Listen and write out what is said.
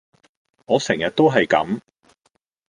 我成日都係咁